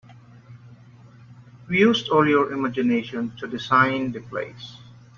We used all your imgination to design the place.